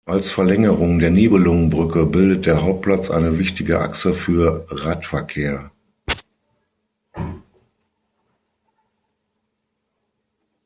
Als Verlängerung der Nibelungenbrücke bildet der Hauptplatz eine wichtige Achse für Radverkehr.